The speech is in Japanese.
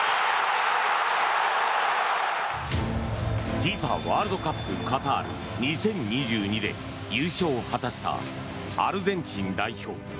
ＦＩＦＡワールドカップカタール２０２２で優勝を果たしたアルゼンチン代表。